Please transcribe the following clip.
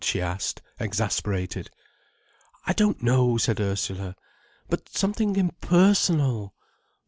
she asked, exasperated. "I don't know," said Ursula. "But something impersonal.